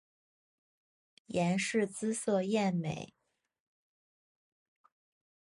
阎氏姿色艳美。